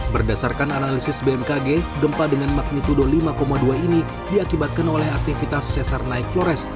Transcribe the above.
berdasarkan analisis bmkg gempa dengan magnitudo lima dua ini diakibatkan oleh aktivitas sesar naik flores